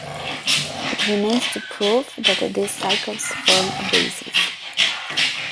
It remains to prove that these cycles form a basis.